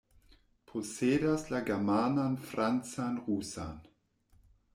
Posedas la germanan, francan, rusan.